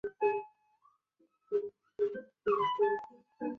指令集的分类